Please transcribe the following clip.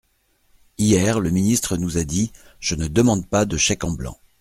Hier, le ministre nous a dit :« Je ne demande pas de chèque en blanc.